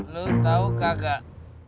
lu tau kagak